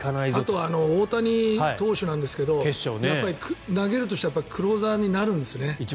あとは大谷投手ですがやっぱり投げるとしたらクローザーになるんですね。